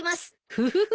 フフフ。